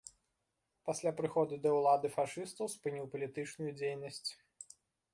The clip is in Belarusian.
Пасля прыходу да ўлады фашыстаў спыніў палітычную дзейнасць.